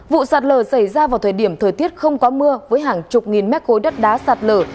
vụ sạt lở xảy ra vào thời điểm thời tiết không có mưa với hàng chục nghìn mét khối đất đá sạt lở